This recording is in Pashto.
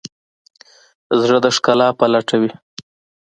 زړه د ښکلا په لټه وي.